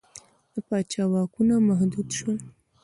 د پاچا واکونه محدود شول.